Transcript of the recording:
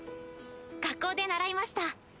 学校で習いました。